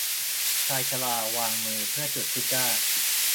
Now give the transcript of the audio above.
ชายชราวางมือเพื่อจุดซิการ์